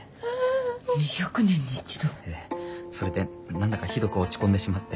えぇそれで何だかひどく落ち込んでしまって。